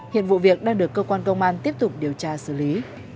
hiện vụ việc đang được cơ quan công an tiếp tục điều tra xử lý